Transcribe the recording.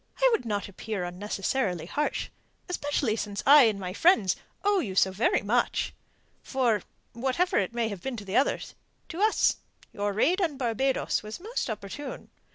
"I would not appear unnecessarily harsh, especially since I and my friends owe you so very much. For, whatever it may have been to others, to us your raid upon Barbados was most opportune.